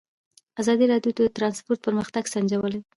ازادي راډیو د ترانسپورټ پرمختګ سنجولی.